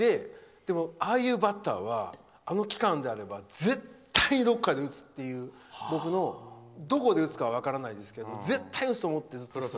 でも、ああいうバッターはあの期間であれば絶対どこかで打つっていうどこで打つかは分からないですけど絶対に打つと思って。